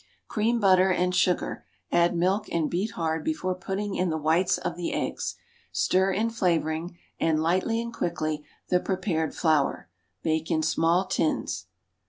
Cream butter and sugar; add milk and beat hard before putting in the whites of the eggs. Stir in flavoring and, lightly and quickly, the prepared flour. Bake in small tins.